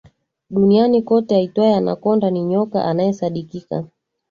duniani kote aitwaye Anacconda ni nyoka anayesadikika